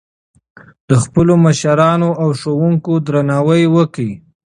د خپلو مشرانو او ښوونکو درناوی وکړئ.